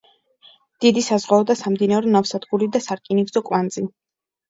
დიდი საზღვაო და სამდინარო ნავსადგური და სარკინიგზო კვანძი.